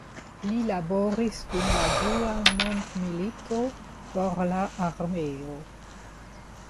Li laboris dum la dua mondmilito por la armeo.